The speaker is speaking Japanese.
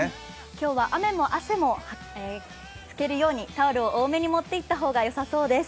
今日は雨も汗も拭けるようにタオルを多めに持っていった方がよさそうです。